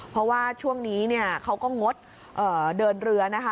เพราะว่าช่วงนี้เนี่ยเขาก็งดเดินเรือนะคะ